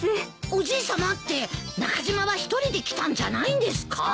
おじいさまって中島は一人で来たんじゃないんですか？